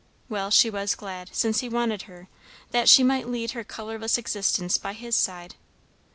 Well, she was glad, since he wanted her, that she might lead her colourless existence by his side.